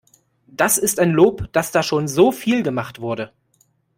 Das ist ein Lob, dass da schon so viel gemacht wurde.